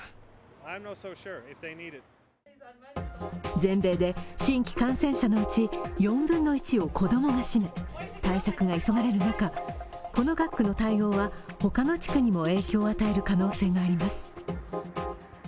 全米で新規感染者のうち４分の１を子供が占め、対策が急がれる中、この学区の対応は、他の地区にも影響を与える可能性があります。